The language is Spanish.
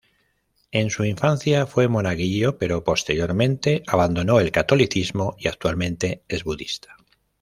En su infancia fue monaguillo pero posteriormente abandonó el catolicismo y actualmente es budista.